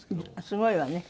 すごいわね。